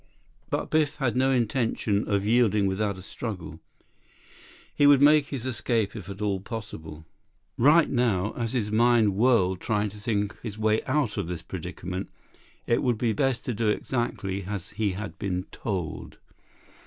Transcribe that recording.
But Biff had no intention of yielding without a struggle. He would make his escape if at all possible. Right now, though, as his mind whirled trying to think his way out of this predicament, it would be best to do exactly as he had been told.